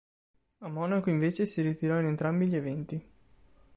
A Monaco, invece, si ritirò in entrambi gli eventi.